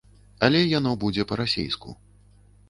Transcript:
Але яно будзе па-расейску.